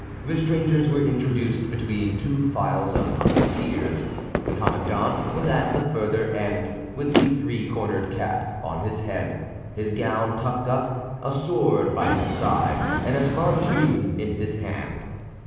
The strangers were introduced between two files of musketeers; the Commandant was at the further end, with the three cornered cap on his head, his gown tucked up, a sword by his side, and a spontoon in his hand.